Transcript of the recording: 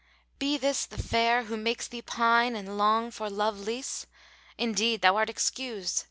'Be this the Fair who makes thee pine and long for love liesse? * Indeed thou art excused!'